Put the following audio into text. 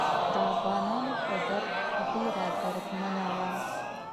د افغانانو په درد ډیره دردمنه وه.